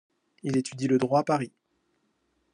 Il étudie le droit à Paris.